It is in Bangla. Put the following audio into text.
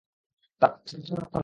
স্যার, তার প্রচন্ড রক্তক্ষরণ হচ্ছে।